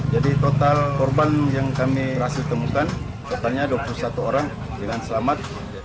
jadi total korban yang kami berhasil temukan totalnya dua puluh satu orang dengan selamat